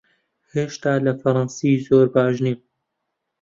هێشتا لە فەڕەنسی زۆر باش نیم.